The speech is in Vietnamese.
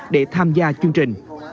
để tham gia chương trình